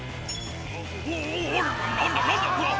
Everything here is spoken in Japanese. お何だ何だ？